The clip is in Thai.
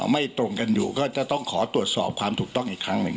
ไม่ตรงกันอยู่ก็จะต้องขอตรวจสอบความถูกต้องอีกครั้งหนึ่ง